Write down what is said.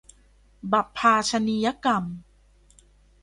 บัพพาชนียกรรม